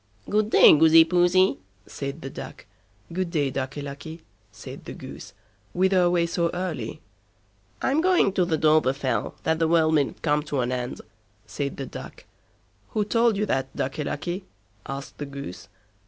"Good day, Goosey Poosey", said the Duck. "Good day, Ducky Lucky", said the Goose, "whither away so early?" "I'm going to the Dovrefell, that the world mayn't come to an end", said the Duck. "Who told you that, Ducky Lucky?" asked the Goose.